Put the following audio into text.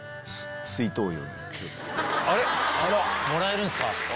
もらえるんすか？